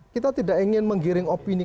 kita tidak ingin menggiring opini